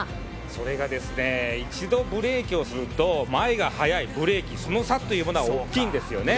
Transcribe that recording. それがですね一度ブレーキをすると前が速い、ブレーキその差というのが大きいんですよね。